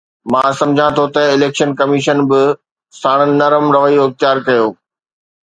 مان سمجهان ٿو ته اليڪشن ڪميشن به ساڻس نرم رويو اختيار ڪيو.